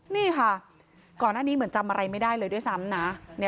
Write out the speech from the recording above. นี่ค่ะก่อนหน้านี้เหมือนจำอะไรไม่ได้เลยด้วยซ้ำนะ